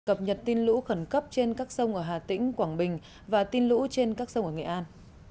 cập nhật tin lũ khẩn cấp trên các sông ở hà tĩnh quảng bình và tin lũ trên các sông ở nghệ an